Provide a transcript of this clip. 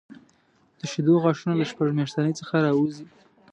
د شېدو غاښونه له شپږ میاشتنۍ څخه راوځي.